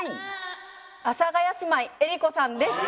阿佐ヶ谷姉妹江里子さんです。